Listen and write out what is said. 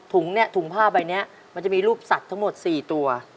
เนี่ยถุงผ้าใบนี้มันจะมีรูปสัตว์ทั้งหมด๔ตัว